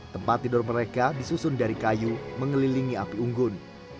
tempat tidur mereka disusun dari kayu mengelilingi api unggun